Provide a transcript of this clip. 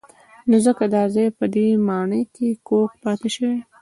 نو ځکه دا ځای په دې ماڼۍ کې کوږ پاتې شوی.